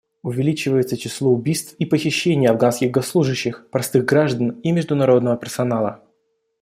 Увеличивается число убийств и похищений афганских госслужащих, простых граждан и международного персонала.